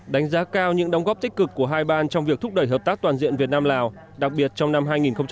đánh giá cao những đóng góp tích cực của hai ban trong việc thúc đẩy hợp tác toàn diện việt nam lào đặc biệt trong năm hai nghìn hai mươi